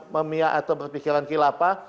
memia atau berpikiran kilapa